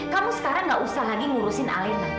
kamu sekarang gak usah lagi ngurusin allena